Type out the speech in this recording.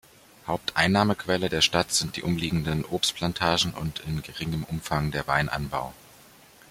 Haupteinnahmequelle der Stadt sind die umliegenden Obstplantagen und in geringem Umfang der Weinanbau.